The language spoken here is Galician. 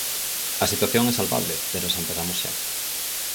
A situación é salvable, pero se empezamos xa.